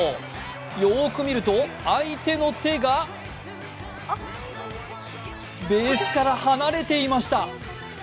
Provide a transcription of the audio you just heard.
よく見ると、相手の手がベースから離れていました。